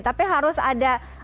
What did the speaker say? tapi harus ada data yang terlindungi